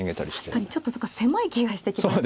確かにちょっと狭い気がしてきました。